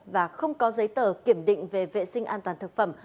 và không có giấy tờ kiểm định về vệ sinh an toàn thực phẩm